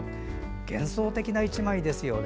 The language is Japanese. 幻想的な１枚ですよね。